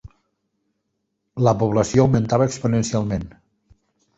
La població augmentava exponencialment.